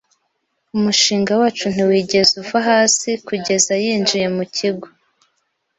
Umushinga wacu ntiwigeze uva hasi kugeza yinjiye mu kigo.